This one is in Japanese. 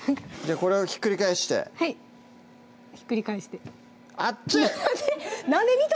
これをひっくり返してはいひっくり返してあっちぃ！